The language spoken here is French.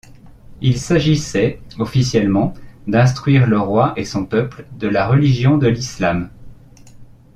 Il s'agissait, officiellement, d'instruire le roi et son peuple de la religion de l'Islam.